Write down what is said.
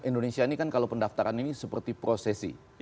indonesia ini kan kalau pendaftaran ini seperti prosesi